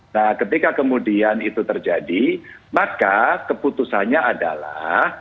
nah ketika kemudian itu terjadi maka keputusannya adalah